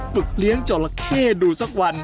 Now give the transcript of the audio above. ฝึกเลี้ยงจราเข้ดูสักวัน